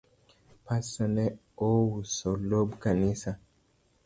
Pastor ne ouso lob kanisa